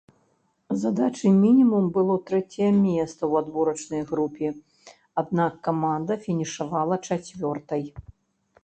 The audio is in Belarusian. Задачай-мінімум было трэцяе месца ў адборачнай групе, аднак каманда фінішавала чацвёртай.